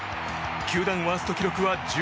球団ワースト記録は１２。